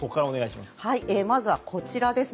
まずはこちらです。